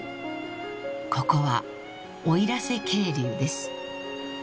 ［ここは奥入瀬渓流です］